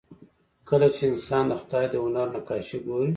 کله چې انسان د خدای د هنر نقاشي ګوري